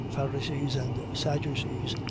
Pharisees and Sadducees. ..